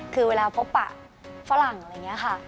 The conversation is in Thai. คือเวลาพบปะฝรั่งอะไรอย่างนี้ค่ะ